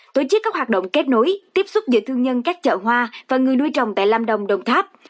tổ chức các hoạt động kết nối tiếp xúc giữa thương nhân các chợ hoa và người nuôi trồng tại lâm đồng đồng tháp